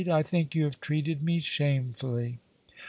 I think you have treated me shamefully.